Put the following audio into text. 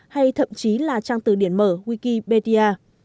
hay thậm chí là trang từ điển mở wikipedia